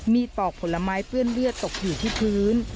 ปอกผลไม้เปื้อนเลือดตกอยู่ที่พื้น